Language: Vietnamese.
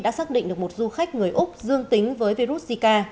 đã xác định được một du khách người úc dương tính với virus zika